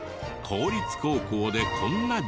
公立高校でこんな授業も。